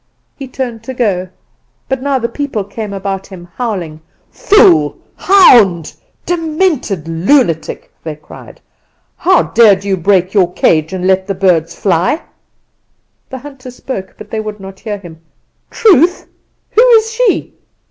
He turned to go, but now the people came about him, howling. "'Fool, hound, demented lunatic!' they cried. 'How dared you break your cage and let the birds fly?' "The hunter spoke; but they would not hear him. "'Truth! who is she?